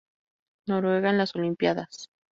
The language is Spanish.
Noruega en las Olimpíadas